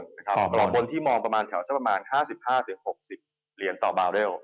กรอบบนที่มองประมาณ๕๕๖๐เหรียญต่อเบาได้